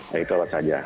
nah itu saja